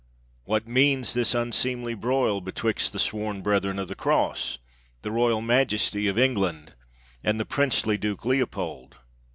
" What means this unseemly broil betwixt the sworn brethren of the Cross — the royal Majesty of England 6iS PALESTINE and the princely Duke Leopold?